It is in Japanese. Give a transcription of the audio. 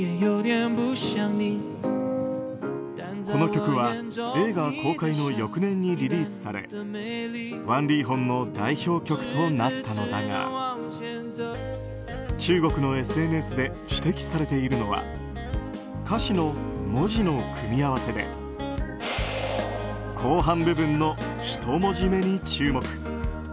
この曲は映画公開の翌年にリリースされワン・リーホンの代表曲となったのだが中国のＳＮＳで指摘されているのは歌詞の文字の組み合わせで後半部分の１文字目に注目。